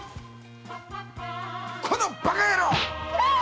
このバカ野郎！